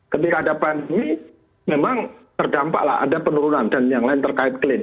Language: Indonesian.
ketika ada pandemi memang terdampaklah ada penurunan dan yang lain terkait klin